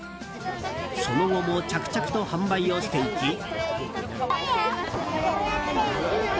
その後も着々と販売をしていき。